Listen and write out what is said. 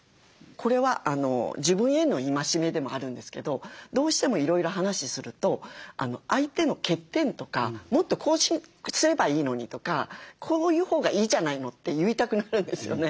これは自分への戒めでもあるんですけどどうしてもいろいろ話すると相手の欠点とか「もっとこうすればいいのに」とか「こういうほうがいいじゃないの」って言いたくなるんですよね。